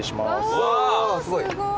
うわすご。